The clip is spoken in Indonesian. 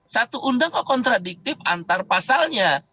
satu undang kontradiktif antar pasalnya